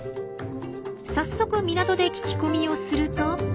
早速港で聞き込みをすると。